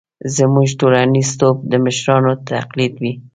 زموږ ټولنیزتوب د مشرانو تقلید وي.